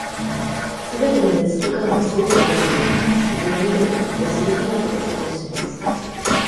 全ての熱機関がそうであるように、水飲み鳥も熱力学で作動します。